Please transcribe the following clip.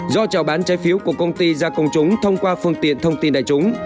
do trào bán trái phiếu của công ty ra công chúng thông qua phương tiện thông tin đại chúng